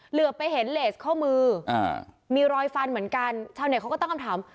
เหลือไปเห็นเลสข้อมือมีรอยฟันเหมือนกันชาวเน็ตเขาก็ตั้งคำถาม